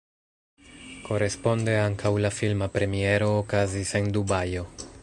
Koresponde ankaŭ la filma premiero okazis en Dubajo.